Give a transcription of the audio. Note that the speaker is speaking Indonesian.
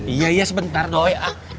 iya iya sebentar doi